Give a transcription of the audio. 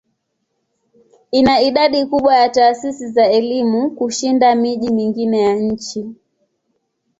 Ina idadi kubwa ya taasisi za elimu kushinda miji mingine ya nchi.